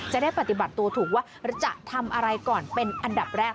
จะได้ปฏิบัติตัวถูกว่าจะทำอะไรก่อนเป็นอันดับแรก